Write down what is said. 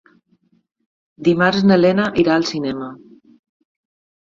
Dimarts na Lena irà al cinema.